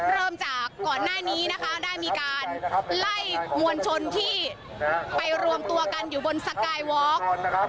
เริ่มจากก่อนหน้านี้นะคะได้มีการไล่มวลชนที่ไปรวมตัวกันอยู่บนสกายวอล์กนะครับ